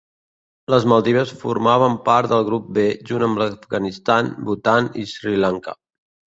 Les Maldives formaven part del grup B junt amb l'Afganistan, Bhutan i Sri Lanka.